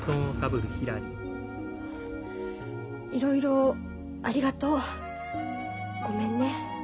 いろいろありがとう。ごめんね。